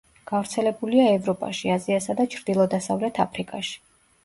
გავრცელებულია ევროპაში, აზიასა და ჩრდილო-დასავლეთ აფრიკაში.